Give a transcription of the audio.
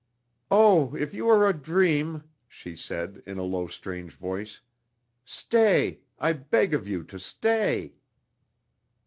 "Oh, if you are a dream," she said, in a low, strange voice, "stay! I beg of you to stay."